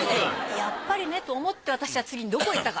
やっぱりねと思って私は次にどこ行ったか？